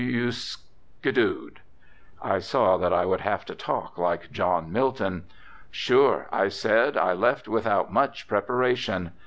"You skidooed?" I saw that I should have to talk like John Milton. "Sure," I said, "I left without much preparation."